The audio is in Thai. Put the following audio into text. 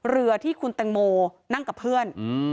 เรือที่คุณแตงโมนั่งกับเพื่อน